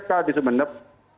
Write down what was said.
di sma di sumeneb